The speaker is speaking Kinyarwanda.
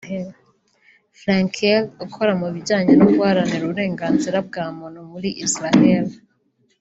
Frenkel ukora mu bijyanye no guharanira uburenganzira bwa muntu muri Isiraheli